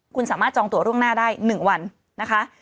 คุณสามารถจองตัวล่วงหน้าได้๑วันนะคะ